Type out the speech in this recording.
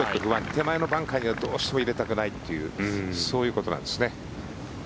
手前のバンカーにはどうしても入れたくないというそういうことなんですね。